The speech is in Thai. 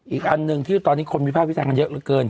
อีกอันหนึ่งที่ตอนนี้คนมีภาพวิจัยกันเยอะเกิน